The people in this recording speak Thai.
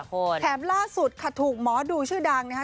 แถมล่าสุดค่ะถูกหมอดูชื่อดังนะคะ